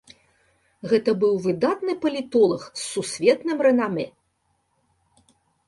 Гэта быў выдатны палітолаг з сусветным рэнамэ.